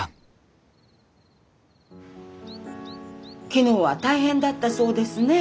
昨日は大変だったそうですね。